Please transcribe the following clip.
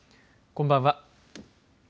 こんばんは。